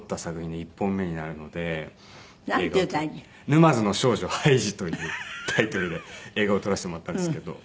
『ヌマヅの少女ハイジ』というタイトルで映画を撮らせてもらったんですけど。